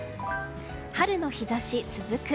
春の日差し続く。